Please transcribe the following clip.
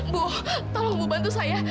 bu tolong bu bantu saya